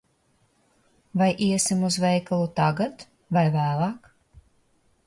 Vai iesim uz veikalu tagad vai vēlāk?